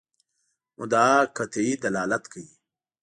مدعا قطعي دلالت کوي.